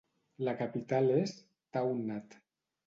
La capital és Taounate.